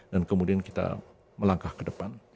dan kemudian kita melangkah ke depan